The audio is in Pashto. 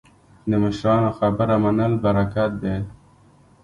د مشرانو خبره منل برکت دی